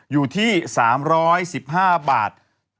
อยู่ที่๓๑๕บาท